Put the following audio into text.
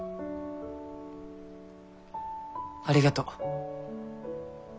ありがとう。